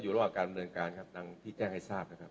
ก็อยู่ระหว่างการบริเวณการครับนางพี่แจ้งให้ทราบนะครับ